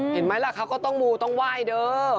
เห็นไหมล่ะเขาก็ต้องมูต้องไหว้เด้อ